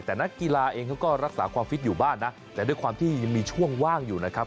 แต่นักกีฬาเองเขาก็รักษาความฟิตอยู่บ้านนะแต่ด้วยความที่ยังมีช่วงว่างอยู่นะครับ